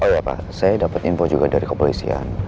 oh iya pak saya dapat info juga dari kepolisian